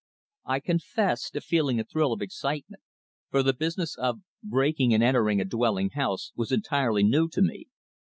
I confess to feeling a thrill of excitement, for the business of "breaking and entering a dwelling house" was entirely new to me.